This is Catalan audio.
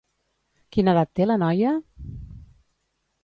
Quina edat té la noia?